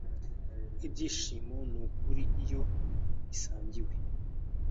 Ibyishimo nukuri iyo bisangiwe.